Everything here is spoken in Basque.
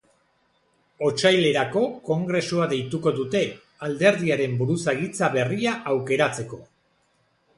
Otsailerako kongresua deituko dute, alderdiaren buruzagitza berria aukeratzeko.